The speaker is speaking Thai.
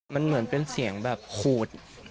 มันเหมือนเป็นเสียงแบบขูด